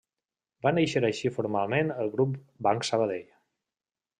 Va néixer així formalment el Grup Banc Sabadell.